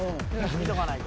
見とかないと。